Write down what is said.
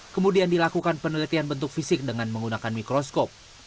kemudian dilakukan penelitian bentuk fisik dengan menggunakan mikroskop